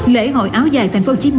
lễ hội áo dài tp hcm